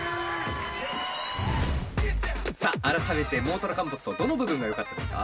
さあ改めてモータルコンバットどの部分がよかったですか？